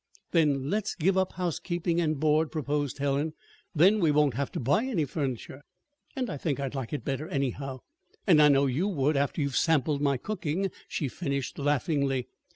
"Then let's give up housekeeping and board," proposed Helen. "Then we won't have to buy any furniture. And I think I'd like it better anyhow; and I know you would after you'd sampled my cooking," she finished laughingly.